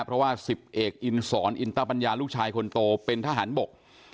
เพราะว่า๑๐เอกอินสอนอินตปัญญาลูกชายคนโตเป็นทหารบก